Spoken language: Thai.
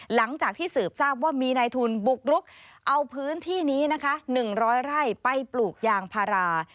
หลังจากที่สืบทราบว่ามีนายทุนบุกรุกเอาพื้นที่นี้นะคะ๑๐๐ไร่ไปปลูกยางพารา